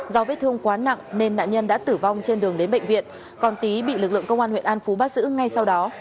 do vết thương quá nặng nên nạn nhân đã tử vong trên đường đến bệnh viện còn tý bị lực lượng công an huyện an phú bắt giữ ngay sau đó